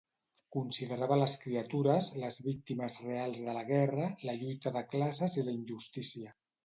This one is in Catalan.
Considerava les criatures les víctimes reals de la guerra, la lluita de classes i la injustícia.